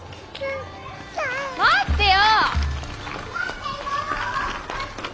待ってよ！